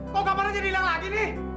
kok kabarnya jadi hilang lagi nih